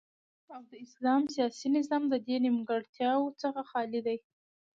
او د اسلام سیاسی نظام ددی نیمګړتیاو څخه خالی دی